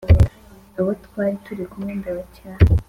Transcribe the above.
abo twari turi kumwe ndabacyaha